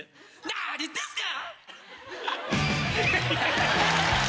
なに言ってんすか！